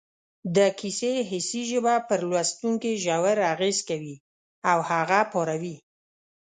د کیسې حسي ژبه پر لوستونکي ژور اغېز کوي او هغه پاروي